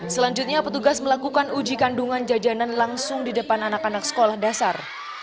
selanjutnya petugas melakukan uji kandungan jajanan langsung di depan anak anak sekolah dasar